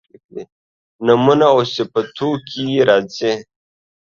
نومواوصفتوکي راځي